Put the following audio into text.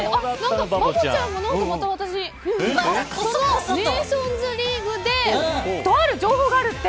バボちゃんも、なんかそのネーションズリーグでとある情報があるって。